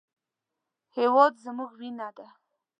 هېواد زموږ وینه ده